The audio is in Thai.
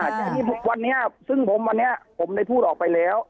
แต่นี่ทุกวันนี้ซึ่งผมวันนี้ผมได้พูดออกไปแล้ว